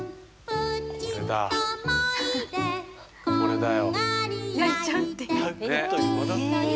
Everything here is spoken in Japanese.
これだよ。